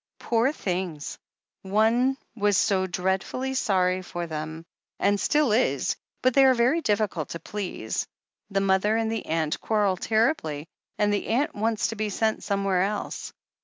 "Poor things, one was so dreadfully sorry for them — ^and still is — but they are very difficult to please. The mother and the aunt quarrel terribly, and the aunt wants to be sent somewhere else.